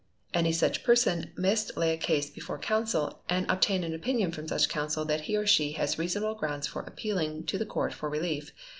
_ Any such person must lay a case before counsel, and obtain an opinion from such counsel that he or she has reasonable grounds for appealing to the court for relief.